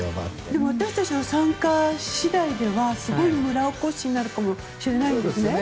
でも私たちの参加次第ではすごい村おこしになるかもしれないですね。